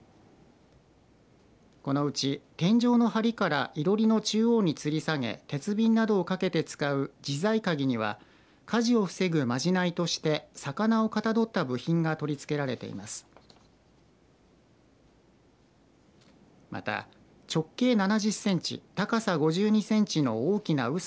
このうち天井のはりからいろりの中央につり下げ鉄瓶などをかけて使う自在鉤には火事を防ぐまじないとして魚をかたどった部品が取り付けられています。